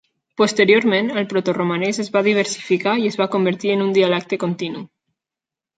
Posteriorment, el protoromanès es va diversificar i es va convertir en un dialecte continu.